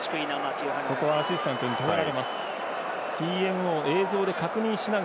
ここはアシスタントに止められます。